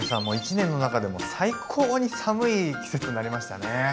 もう一年の中でも最高に寒い季節になりましたね。